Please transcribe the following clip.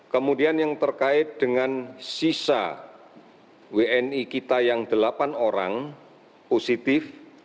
kemudian yang terkait dengan sisa wni kita yang delapan orang positif